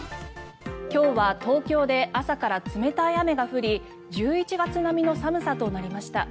今日は東京で朝から冷たい雨が降り１１月並みの寒さとなりました。